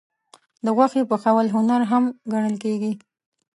د غوښې پخول هنر هم ګڼل کېږي.